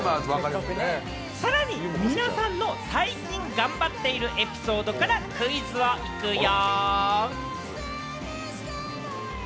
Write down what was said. さらに皆さんの最近頑張っているエピソードからクイズをいくよ！